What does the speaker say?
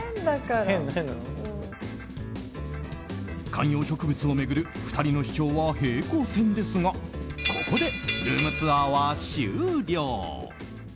観葉植物を巡る２人の主張は平行線ですがここでルームツアーは終了。